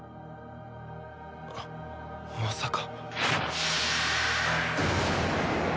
あっまさか